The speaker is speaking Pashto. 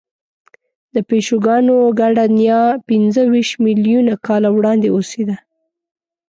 د پیشوګانو ګډه نیا پنځهویشت میلیونه کاله وړاندې اوسېده.